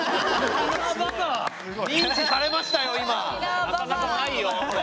なかなかないよこれ。